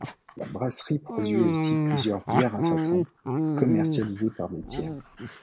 La brasserie produit aussi plusieurs bières à façon commercialisées par des tiers.